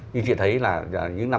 như chị thấy là những năm